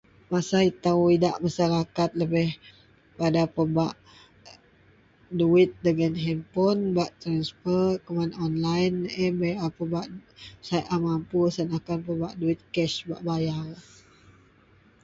Masa ito idak masarakat lebeh, pada pebak duwit dagen hanpon bak transfa keman online an bei a pebak sai a mampu siyen akan pebak duwit cas bak bayar.